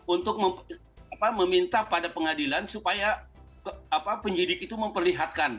untuk meminta pada pengadilan supaya penyidik itu memperlihatkan